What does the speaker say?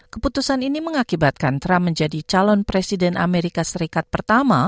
keputusan ini mengakibatkan trump menjadi calon presiden amerika serikat pertama